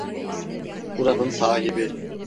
Buranın sahibi.